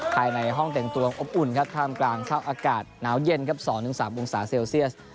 ภายในห้องแต่งตัวอบอุ่นครับท่ามกลางสภาพอากาศหนาวเย็นครับ๒๓องศาเซลเซียส